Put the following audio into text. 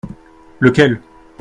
Lequel ?